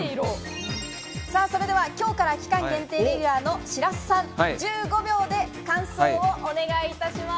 それでは今日から期間限定レギュラーの白洲さん、１５秒で感想をお願いいたします。